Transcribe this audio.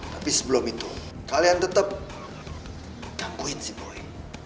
tapi sebelum itu kalian tetep tangguhin si boy